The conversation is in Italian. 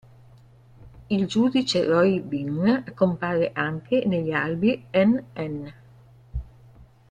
Il giudice Roy Bean compare anche negli albi nn.